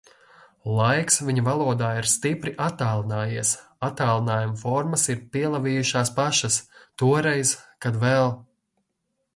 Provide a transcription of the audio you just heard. Laiks viņa valodā ir stipri attālinājies, attālinājuma formas ir pielavījušās pašas. Toreiz, kad vēl...